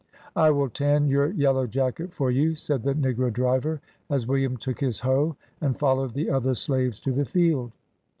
"I will tan your yellow jacket for you," said the negro driver, as William took his hoe and followed the other slaves to the field.